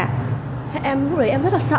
thế em lúc đấy em rất là sợ